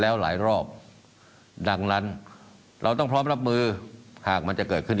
แล้วหลายรอบดังนั้นเราต้องพร้อมรับมือหากมันจะเกิดขึ้น